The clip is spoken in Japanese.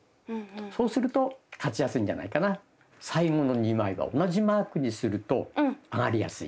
最後の２枚は同じマークにすると上がりやすい。